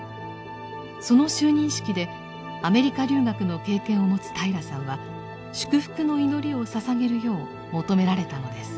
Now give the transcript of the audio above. その就任式でアメリカ留学の経験を持つ平良さんは祝福の祈りを捧げるよう求められたのです。